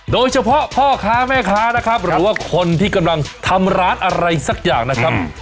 โดยเฉพาะพ่อค้าแม่ค้านะครับหรือว่าคนที่กำลังทำร้านอะไรสักอย่างนะครับ